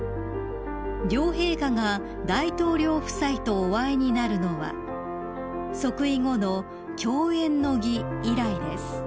［両陛下が大統領夫妻とお会いになるのは即位後の饗宴の儀以来です］